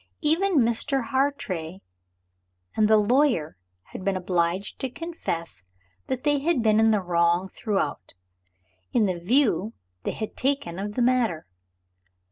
Even Mr. Hartrey and the lawyer had been obliged to confess that they had been in the wrong throughout, in the view they had taken of the matter.